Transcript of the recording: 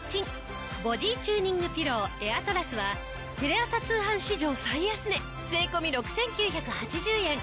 ボディチューニングピローエアトラスはテレ朝通販史上最安値税込６９８０円。